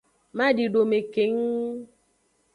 Madidome keng.